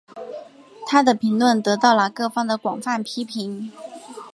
她的评论得到了各方的广泛批评。